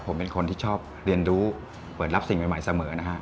ผมเป็นคนที่ชอบเรียนรู้เปิดรับสิ่งใหม่เสมอนะฮะ